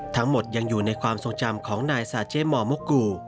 ทั้งหมดยังอยู่ในความทรงจำของนายซาเจมอร์มุกู